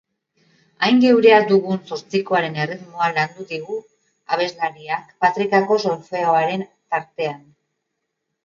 Hain geurea dugun zortzikoaren erritmoa landu digu abeslariak patrikako solfeoaren tartean.